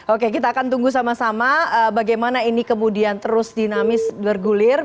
oke kita akan tunggu sama sama bagaimana ini kemudian terus dinamis bergulir